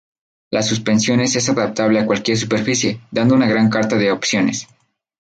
Las suspensiones es adaptable a cualquier superficie, dando una gran carta de opciones.